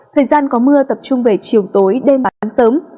thời gian có mưa tập trung về chiều tối đêm và sáng sớm